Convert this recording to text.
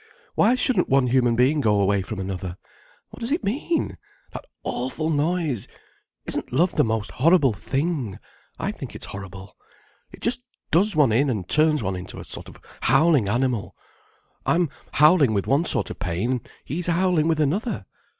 Why shouldn't one human being go away from another? What does it mean? That awful noise! Isn't love the most horrible thing! I think it's horrible. It just does one in, and turns one into a sort of howling animal. I'm howling with one sort of pain, he's howling with another.